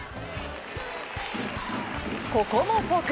ここもフォーク。